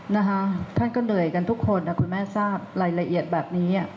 นะคะท่านก็เหนื่อยกันทุกคนนะคุณแม่ทราบรายละเอียดแบบนี้